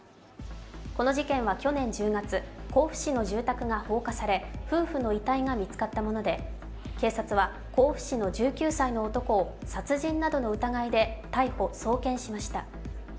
この事件は去年１０月、甲府市の住宅が放火され、夫婦の遺体が見つかったもので、警察は甲府市の１９歳の男を殺人などの疑いで逮捕・送検しました。